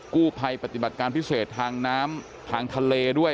ปฏิบัติการพิเศษทางน้ำทางทะเลด้วย